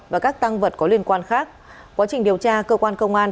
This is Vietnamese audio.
và các tăng vật có liên quan khác quá trình điều tra cơ quan công an